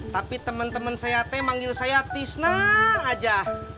tapi temen temen saya teh manggil saya tisna aja